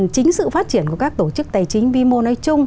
chính sự phát triển của các tổ chức tài chính vi mô nói chung